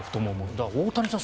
だから大谷さん